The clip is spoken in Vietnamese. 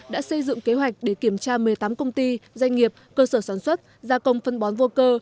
đã xây dựng kế hoạch để kiểm tra một mươi tám công ty doanh nghiệp cơ sở sản xuất gia công phân bón vô cơ